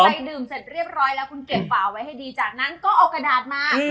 ดื่มเสร็จเรียบร้อยแล้วคุณเก็บฝาไว้ให้ดีจากนั้นก็เอากระดาษมา